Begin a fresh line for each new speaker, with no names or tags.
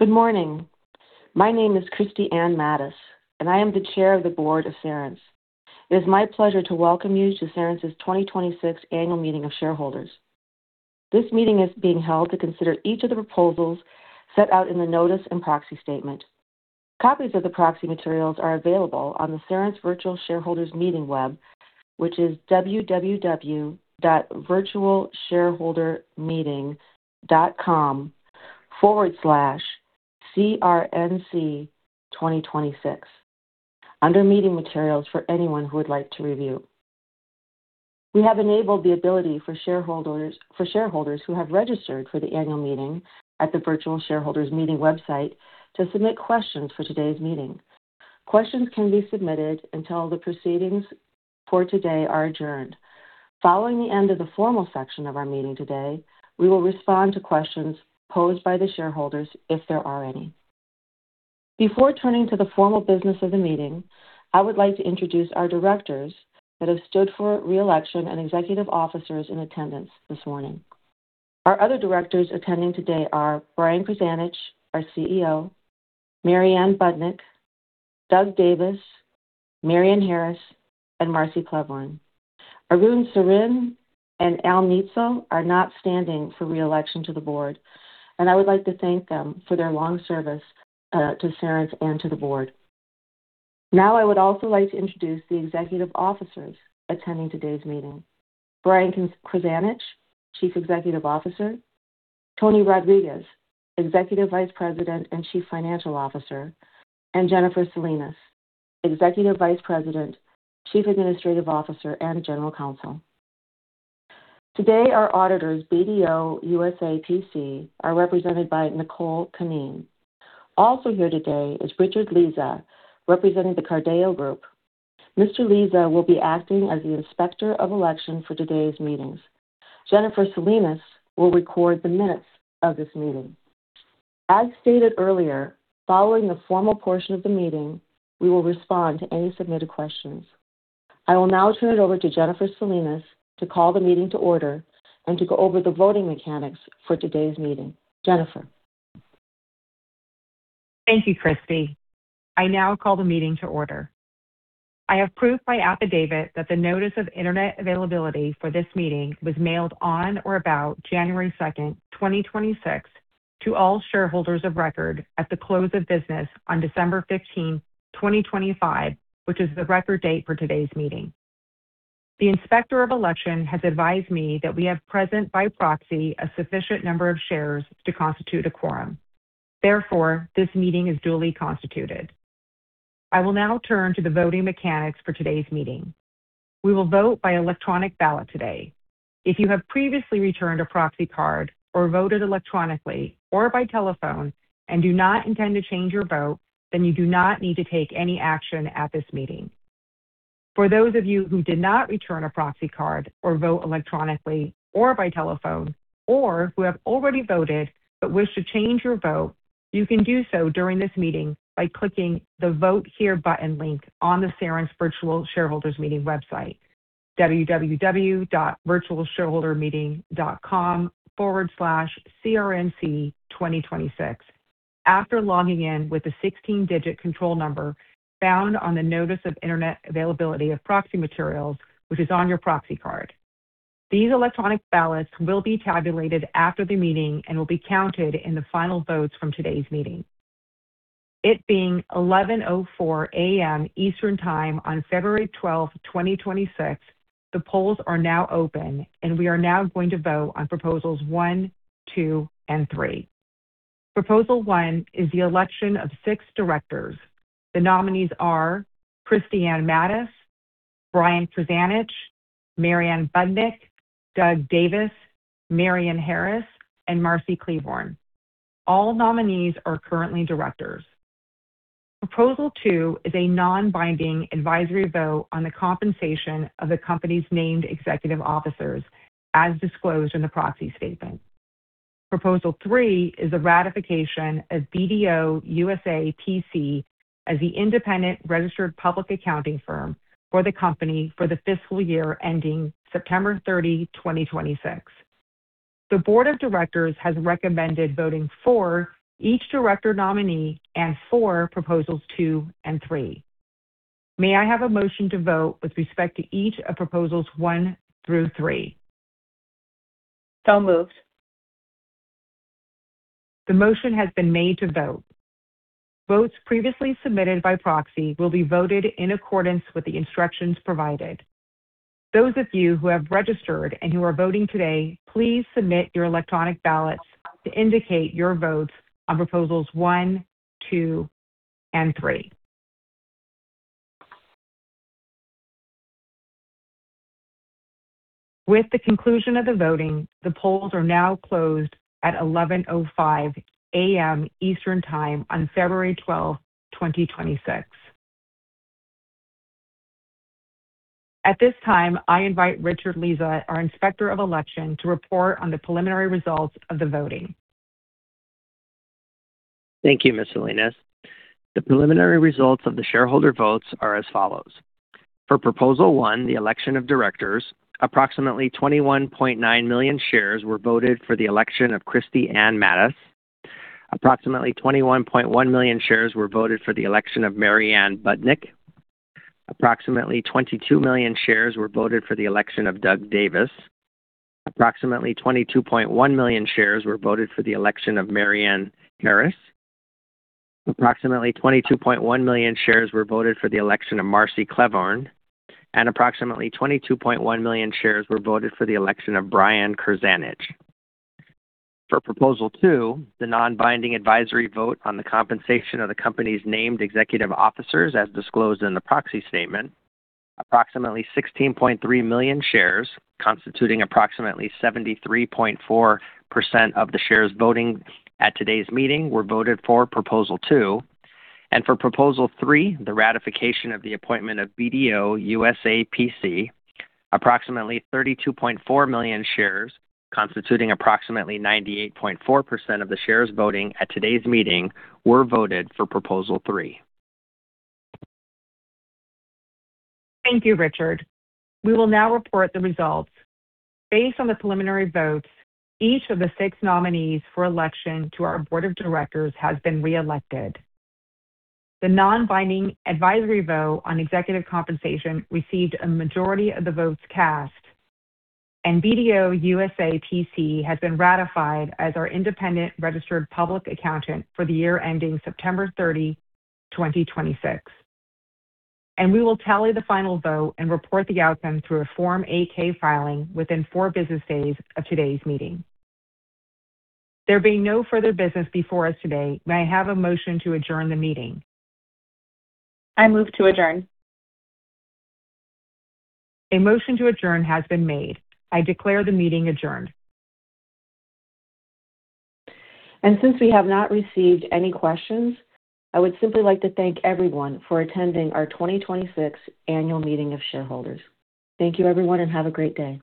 Good morning. My name is Kristi Ann Matus, and I am the Chair of the Board of Cerence. It is my pleasure to welcome you to Cerence's 2026 annual meeting of shareholders. This meeting is being held to consider each of the proposals set out in the notice and proxy statement. Copies of the proxy materials are available on the Cerence Virtual Shareholders Meeting web, which is www.virtualshareholdermeeting.com/2026, under Meeting Materials, for anyone who would like to review. We have enabled the ability for shareholders who have registered for the annual meeting at the Virtual Shareholders Meeting website to submit questions for today's meeting. Questions can be submitted until the proceedings for today are adjourned. Following the end of the formal section of our meeting today, we will respond to questions posed by the shareholders, if there are any. Before turning to the formal business of the meeting, I would like to introduce our directors that have stood for re-election and executive officers in attendance this morning. Our other directors attending today are Brian Krzanich, our CEO, Marianne Budnik, Doug Davis, Marion Harris, and Marcy Klevorn. Arun Sarin and Mr. Nietzel are not standing for re-election to the board, and I would like to thank them for their long service to Cerence and to the board. Now, I would also like to introduce the executive officers attending today's meeting. Brian Krzanich, Chief Executive Officer, Tony Rodriguez, Executive Vice President and Chief Financial Officer, and Jennifer Salinas, Executive Vice President, Chief Administrative Officer, and General Counsel. Today, our auditors, BDO USA, P.C., are represented by Nicole Kannen. Also here today is Richard Lizza, representing the Carideo Group. Mr. Lizza will be acting as the Inspector of Election for today's meetings. Jennifer Salinas will record the minutes of this meeting. As stated earlier, following the formal portion of the meeting, we will respond to any submitted questions. I will now turn it over to Jennifer Salinas to call the meeting to order and to go over the voting mechanics for today's meeting. Jennifer?
Thank you, Kristi. I now call the meeting to order. I have proof by affidavit that the notice of internet availability for this meeting was mailed on or about January 2nd, 2026, to all shareholders of record at the close of business on December 15th, 2025, which is the record date for today's meeting. The Inspector of Election has advised me that we have present, by proxy, a sufficient number of shares to constitute a quorum. Therefore, this meeting is duly constituted. I will now turn to the voting mechanics for today's meeting. We will vote by electronic ballot today. If you have previously returned a proxy card or voted electronically or by telephone and do not intend to change your vote, then you do not need to take any action at this meeting. For those of you who did not return a proxy card or vote electronically or by telephone, or who have already voted but wish to change your vote, you can do so during this meeting by clicking the Vote Here button link on the Cerence Virtual Shareholders Meeting website, www.virtualshareholdermeeting.com/crnc2026. After logging in with the 16-digit control number found on the Notice of Internet Availability of Proxy Materials, which is on your proxy card. These electronic ballots will be tabulated after the meeting and will be counted in the final votes from today's meeting. It being 11:04 A.M. Eastern Time on February 12th, 2026, the polls are now open, and we are now going to vote on Proposals 1, 2, and 3. Proposal 1 is the election of six directors. The nominees are Kristi Ann Matus, Brian Krzanich, Marianne Budnik, Doug Davis, Marion Harris, and Marcy Klevorn. All nominees are currently directors. Proposal 2 is a non-binding advisory vote on the compensation of the company's named executive officers, as disclosed in the proxy statement. Proposal 3 is the ratification of BDO USA, P.C. as the independent registered public accounting firm for the company for the fiscal year ending September 30, 2026. The board of directors has recommended voting for each director nominee and for Proposals 2 and 3. May I have a motion to vote with respect to each of Proposals 1 through 3?
So moved.
The motion has been made to vote. Votes previously submitted by proxy will be voted in accordance with the instructions provided. Those of you who have registered and who are voting today, please submit your electronic ballots to indicate your votes on Proposals 1, 2, and 3. With the conclusion of the voting, the polls are now closed at 11:05 A.M. Eastern Time on February 12th, 2026. At this time, I invite Richard Lizza, our Inspector of Election, to report on the preliminary results of the voting.
Thank you, Ms. Salinas. The preliminary results of the shareholder votes are as follows: For Proposal One, the election of directors, approximately 21.9 million shares were voted for the election of Kristi Ann Matus. Approximately 21.1 million shares were voted for the election of Marianne Budnik. Approximately 22 million shares were voted for the election of Doug Davis. Approximately 22.1 million shares were voted for the election of Marion Harris. Approximately 22.1 million shares were voted for the election of Marcy Klevorn. And approximately 22.1 million shares were voted for the election of Brian Krzanich. For Proposal 2, the non-binding advisory vote on the compensation of the company's named executive officers, as disclosed in the proxy statement, approximately 16.3 million shares, constituting approximately 73.4% of the shares voting at today's meeting, were voted for Proposal 2. For Proposal 3, the ratification of the appointment of BDO USA, P.C., approximately 32.4 million shares, constituting approximately 98.4% of the shares voting at today's meeting, were voted for Proposal 3.
Thank you, Richard. We will now report the results. Based on the preliminary votes, each of the six nominees for election to our board of directors has been reelected. The non-binding advisory vote on executive compensation received a majority of the votes cast, and BDO USA, P.C. has been ratified as our independent registered public accountant for the year ending September 30, 2026. We will tally the final vote and report the outcomes through a Form 8-K filing within four business days of today's meeting. There being no further business before us today, may I have a motion to adjourn the meeting?
I move to adjourn.
A motion to adjourn has been made. I declare the meeting adjourned.
Since we have not received any questions, I would simply like to thank everyone for attending our 2026 Annual Meeting of Shareholders. Thank you, everyone, and have a great day.